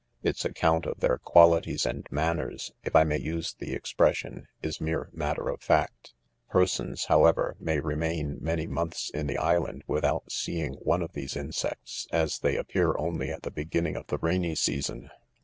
its accourt of their qualities and manners, (if I may use the expression,) .is mere matter . of fact. Persons, however, may remain manyinonths in the island, without seeing one of these insects, as they appear only at the beginning of the rainy season.